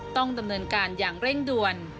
ต้องดำเนินการอย่างเร่งด่วน